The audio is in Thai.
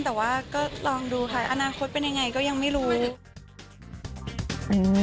แต่ว่าก็ลองดูค่ะอนาคตเป็นยังไงก็ยังไม่รู้